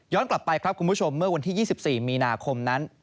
กลับไปครับคุณผู้ชมเมื่อวันที่๒๔มีนาคมนั้น